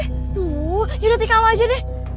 aduh yaudah tika lo aja deh